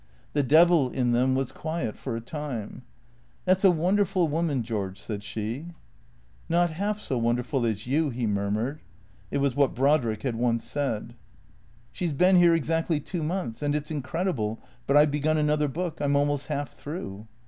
The devil in them was quiet for a time. " That 's a wonderful woman, George," said she. "Not half so wonderful as you," he murmured. (It was what Brodrick had once said.) " She 's been here exactly two months and — it 's incred ible — but I 've begun another book. I 'm almost half through."